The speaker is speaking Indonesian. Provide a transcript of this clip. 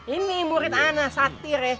ini murid ana satir ya